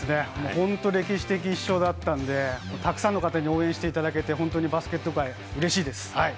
本当、歴史的１勝だったんで、たくさんの方に応援していただけて、本当にバスケット界、嬉しいです！